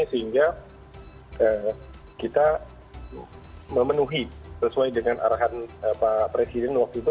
sehingga kita memenuhi sesuai dengan arahan pak presiden waktu itu